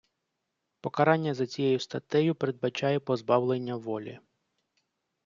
Покарання за цією статтею передбачає позбавлення волі.